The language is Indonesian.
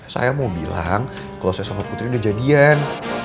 saya mau bilang kalau saya sama putri udah jadian